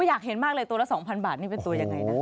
อยากเห็นมากเลยตัวละ๒๐๐บาทนี่เป็นตัวยังไงนะ